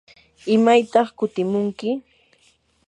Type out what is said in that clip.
¿imaytaq kutimunki?